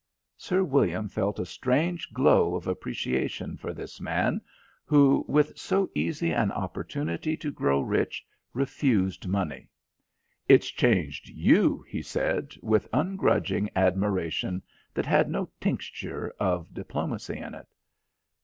Sir William felt a strange glow of appreciation for this man who, with so easy an opportunity to grow rich, refused money. "It's changed you," he said with ungrudging admiration that had no tincture of diplomacy in it.